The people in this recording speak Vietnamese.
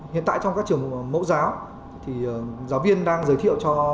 hiện tại trong các trường mẫu giáo thì giáo viên đang giới thiệu cho